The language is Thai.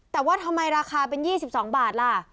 แต่ว่าทำไมราคาเป็น๒๒บาทล่ะ